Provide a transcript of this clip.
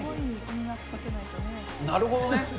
なるほどね。